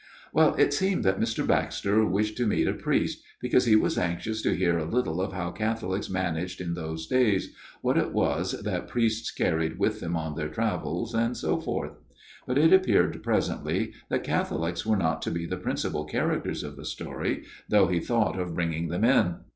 " Well, it seemed that Mr. Baxter wished to meet a priest, because he was anxious to hear a little of how Catholics managed in those days, what it was that priests carried with them on their travels, and so forth ; but it appeared presently that Catholics were not to be the principal characters of the story, though he thought of bringing them in.